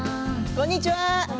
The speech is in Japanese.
こんにちは。